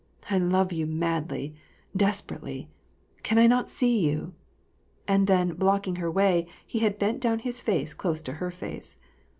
I love you madly, desperately ! Can I not see you ?" And then blocking her way, he had bent down his face close to her face.